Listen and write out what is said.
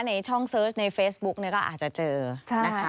ในช่องเสิร์ชในเฟซบุ๊กก็อาจจะเจอนะคะ